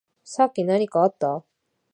さっき何かあった？